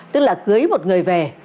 tức là cưới một người về